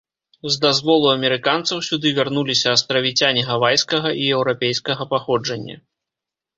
З дазволу амерыканцаў сюды вярнуліся астравіцяне гавайскага і еўрапейскага паходжання.